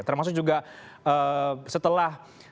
termasuk juga setelah